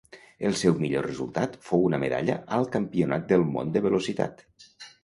El seu millor resultat fou una medalla al Campionat del món de Velocitat.